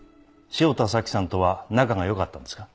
汐田早紀さんとは仲が良かったんですか？